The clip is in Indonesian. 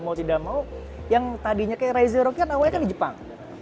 mau tidak mau yang tadinya kayak razy rocky kan awalnya kan di jepang